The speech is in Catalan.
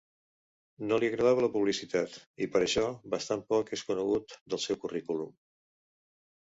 No li agradava la publicitat i per això bastant poc és conegut del seu currículum.